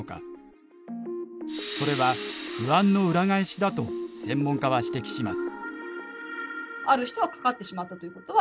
それは不安の裏返しだと専門家は指摘します。